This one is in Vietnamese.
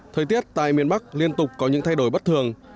thời tiết tại miền bắc liên tục có những thay đổi bất thường